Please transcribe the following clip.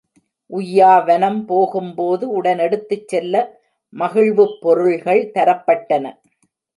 உய்யாவனம் போகும்போது உடன் எடுத்துச் செல்ல மகிழ்வுப்பொருள்கள் தரப்பட்டன.